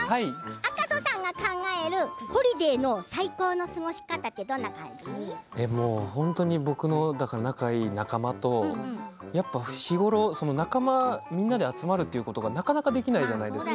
赤楚さんが考えるホリデーの最高の過ごし方って本当に僕の仲のいい仲間とやっぱ日頃仲間みんなで集まるっていうことが、なかなかできないじゃないですか。